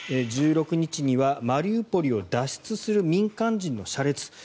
１６日にはマリウポリを脱出する民間人の車列